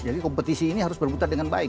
jadi kompetisi ini harus berputar dengan baik